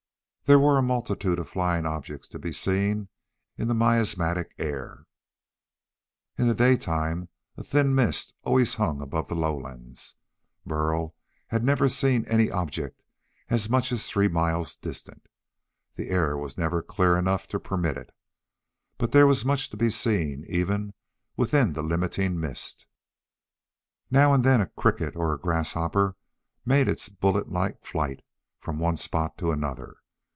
There were a multitude of flying objects to be seen in the miasmatic air. In the daytime a thin mist always hung above the lowlands. Burl had never seen any object as much as three miles distant. The air was never clear enough to permit it. But there was much to be seen even within the limiting mist. Now and then a cricket or a grasshopper made its bullet like flight from one spot to another.